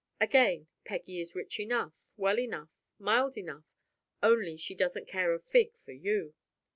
Again, Peggy is rich enough, well enough, mild enough, only she doesn't care a fig for you.